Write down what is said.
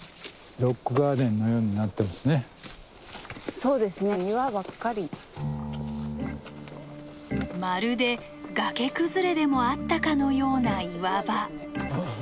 そうですねまるで崖崩れでもあったかのような岩場。